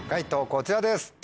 こちらです。